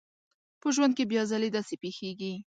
په ژوند کې بيا ځلې داسې پېښېږي.